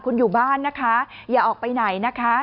คุณอยู่บ้านนะคะอย่าออกไปไหนนะคะ